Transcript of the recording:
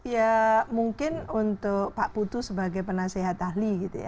ya mungkin untuk pak putu sebagai penasehat ahli